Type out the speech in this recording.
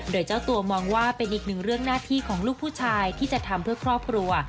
โดยเจ้าตัวมองว่าเป็นอีกหนึ่งเรื่องหน้าที่ของลูกผู้ชายที่จะทำเพื่อครอบครัว